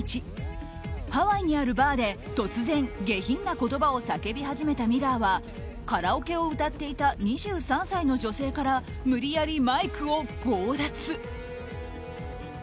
ハワイにあるバーで突然下品な言葉を叫び始めたミラーはカラオケを歌っていた２３歳の女性から無理やりマイクを強奪。